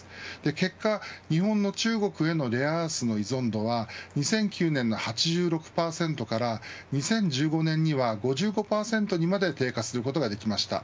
結果、日本の中国へのレアアースの依存度は２００９年の８６％から２０１５年には５５％にまで低下することができました。